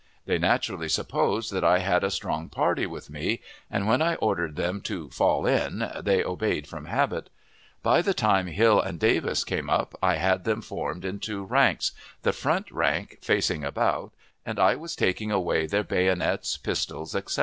They naturally supposed that I had a strong party with me, and when I ordered them to "fall in" they obeyed from habit. By the time Hill and Davis came up I had them formed in two ranks, the front rank facing about, and I was taking away their bayonets, pistols, etc.